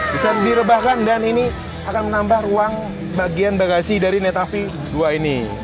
bisa direbahkan dan ini akan menambah ruang bagian bagasi dari netavi dua ini